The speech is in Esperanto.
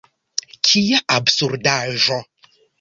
Kia absurdaĵo!